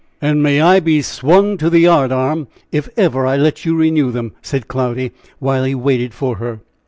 "And may I be swung to the yard arm if ever I let you renew them," said Cloudy, while he waited for her.